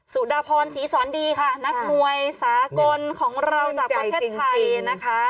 สุดาพรศรีสอนดีค่ะนักมวยสากลของเราจากประเทศไทยนะคะ